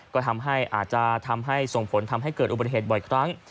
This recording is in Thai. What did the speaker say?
ก็ทำให้อาจจะทำให้ส่งผลทำให้เกิดอุบัติเหตุบ่อยครั้ง